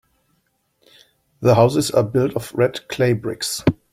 The houses are built of red clay bricks.